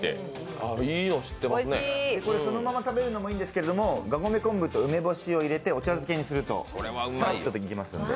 そのまま食べるのもおいしいんですけど、がごめ昆布と梅干しを入れてお茶漬けにするとさらっといけますんで。